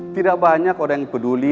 tidak banyak orang yang peduli